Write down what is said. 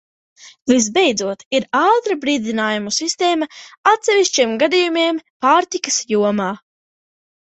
Visbeidzot, ir ātrā brīdinājumu sistēma atsevišķiem gadījumiem pārtikas jomā.